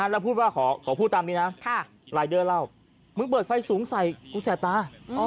แล้วพูดว่าขอพูดตามนี้นะรายเดอร์เล่ามึงเปิดไฟสูงใส่กูแสบตา